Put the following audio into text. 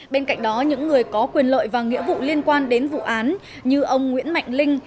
bên cạnh đó những người có quyền lợi và nghĩa vụ liên quan đến vụ án như ông nguyễn mạnh linh